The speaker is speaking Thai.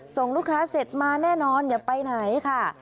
ส่งลูกค้าเสร็จมาแน่นอนอย่าไปไหนค่ะ